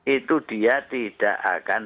itu dia tidak akan